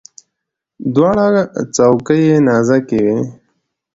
دواړه څوکي یې نازکې وي.